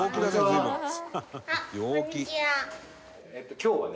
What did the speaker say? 今日はね。